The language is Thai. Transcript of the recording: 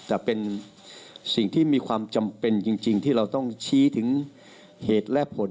แต่เป็นสิ่งที่มีความจำเป็นจริงที่เราต้องชี้ถึงเหตุและผล